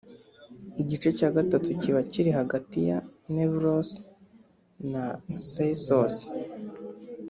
Igice cya gatatu kiba kiri hagati ya 'Nevrose' na 'Psycose'